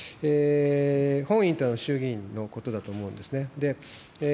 本院とは衆議院のことだと思うんですね。